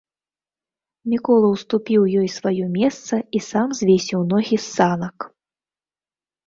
Мікола ўступіў ёй сваё месца і сам звесіў ногі з санак.